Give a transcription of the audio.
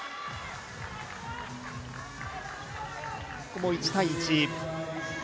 ここも１対１。